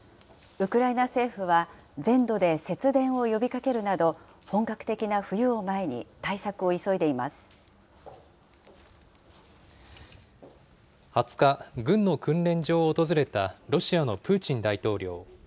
ウクライナ政府は、全土で節電を呼びかけるなど、本格的な冬２０日、軍の訓練場を訪れたロシアのプーチン大統領。